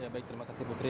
baik terima kasih putri